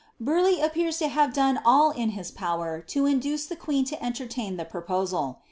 Burleigh appears to have done all in his power to induce the queen s cmertain the proposal.